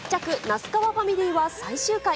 那須川ファミリーは最終回。